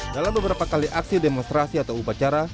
dalam beberapa kali aksi demonstrasi atau upacara